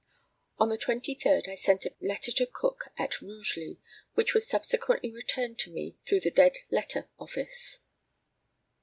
On the 23rd I sent a letter to Cook at Rugeley, which was subsequently returned to me through the dead letter office.